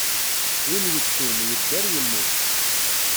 Win yettun, yedder yemmut.